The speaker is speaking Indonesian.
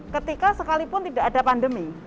ketika sekalipun tidak ada pandemi